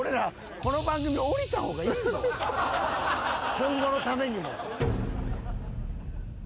今後のためにも。